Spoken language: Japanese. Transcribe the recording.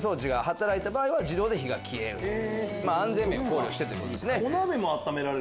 安全面を考慮してということですね。